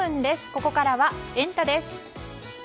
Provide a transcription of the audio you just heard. ここからはエンタ！です。